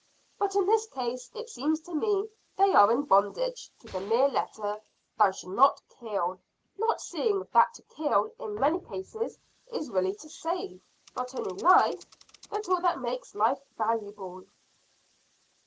But in this case, it seems to me, they are in bondage to the mere letter 'thou shalt not kill;' not seeing that to kill, in many cases, is really to save, not only life, but all that makes life valuable."